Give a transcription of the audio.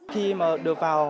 khi mà được vào